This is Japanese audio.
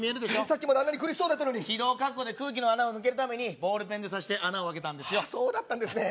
さっきまであんなに苦しそうだったのに気道確保で空気の穴を抜けるためにボールペンで刺して穴を開けたんですそうだったんですね